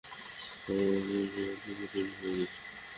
তোমাদের আমাদের বাঁচা কঠিন হয়ে গেছে।